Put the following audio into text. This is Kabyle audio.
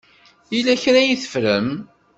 Yella kra ay teffrem?